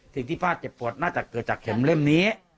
สิ่งที่ป้าเจ็บปวดน่าจะเกิดจากเข็มเล่มนี้